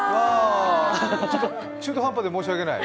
中途半端で申し訳ない。